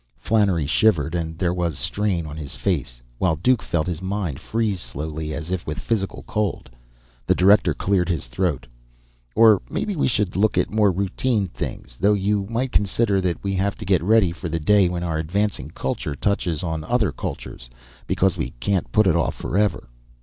Flannery shivered, and there was strain on his face, while Duke felt his mind freeze slowly, as if with physical cold. The director cleared his throat. "Or maybe we should look at more routine things, though you might consider that we have to get ready for the day when our advancing culture touches on other cultures. Because we can't put it off forever."